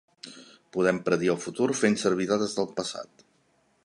Podem predir el futur fent servir dades del passat.